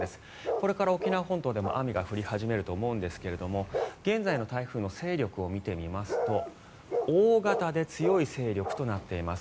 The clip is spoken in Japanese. これから沖縄本島でも雨が降り始めると思うんですが現在の台風の勢力を見てみますと大型で強い勢力となっています。